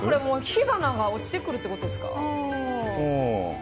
火花が落ちてくるってことですか。